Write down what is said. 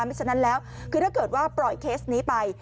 ฉะนั้นแล้วคือถ้าเกิดว่าปล่อยเคสนี้ไป